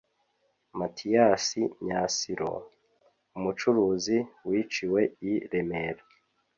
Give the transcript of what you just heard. matiyasi myasiro, umucuruzi wiciwe i remera.